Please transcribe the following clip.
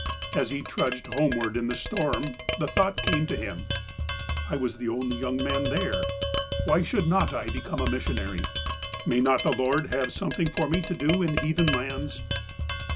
As he trudged homeward in the storm the thought came to him : "I was the only young man there. Why should not I become a missionary ? May not the Lord have some thing for me to do in heathen lauds